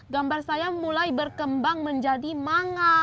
gambar saya mulai berkembang menjadi manga